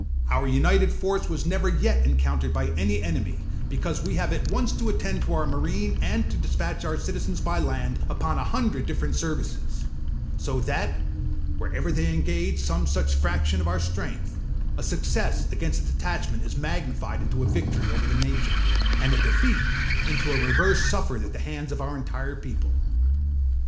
Our united force was never yet encountered by any enemy, because we have at once to attend to our marine and to dispatch our citizens by land upon a hundred different services; so that, wherever they engage with some such fraction of our strength, a success against a detachment is magnified into a victory over the nation, and a defeat into a reverse suffered at the hands of our entire people.